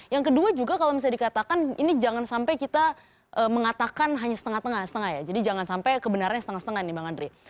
yang kedua juga kalau misalnya dikatakan ini jangan sampai kita mengatakan hanya setengah tengah setengah ya jadi jangan sampai kebenarannya setengah setengah nih bang andre